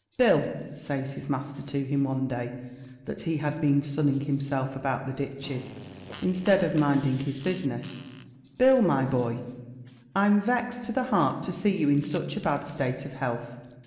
"Bill," says his master to him one day that he had been sunning himself about the ditches, instead of minding his business, "Bill, my boy, I'm vexed to the heart to see you in such a bad state of health.